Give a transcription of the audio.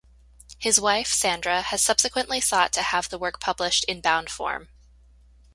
His wife, Sandra, has subsequently sought to have the work published in bound form.